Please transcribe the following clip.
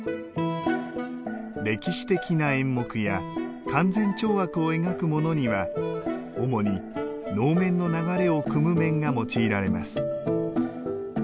歴史的な演目や勧善懲悪を描くものには主に能面の流れをくむ面が用いられます。